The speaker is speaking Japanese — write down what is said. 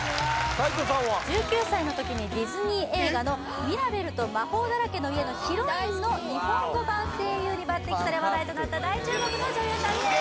斎藤さんは１９歳の時にディズニー映画の「ミラベルと魔法だらけの家」のヒロインの日本語版声優に抜擢され話題となった大注目の女優さんです